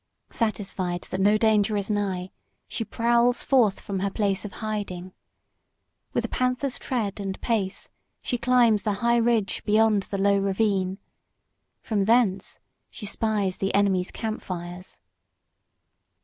Satisfied that no danger is nigh, she prowls forth from her place of hiding. With a panther's tread and pace she climbs the high ridge beyond the low ravine. From thence she spies the enemy's camp fires.